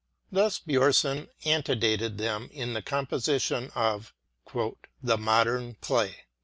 Thus Bjornson antedated them in the composition of the problem play.